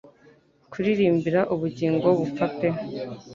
Kuririmbira ubugingo bupfa pe